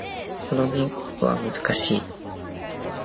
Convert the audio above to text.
この言語は難しい。